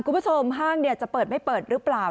คุณผู้ชมห้างจะเปิดไม่เปิดหรือเปล่า